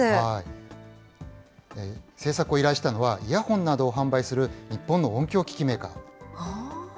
制作を依頼したのは、イヤホンなどを販売する日本の音響機器メーカー。